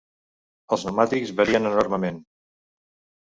Els pneumàtics varien enormement.